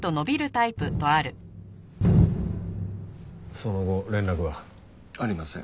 その後連絡は？ありません。